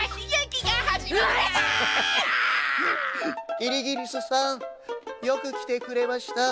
「キリギリスさんよくきてくれました。